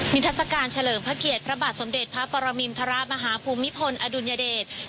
ทัศกาลเฉลิมพระเกียรติพระบาทสมเด็จพระปรมินทรมาฮภูมิพลอดุลยเดช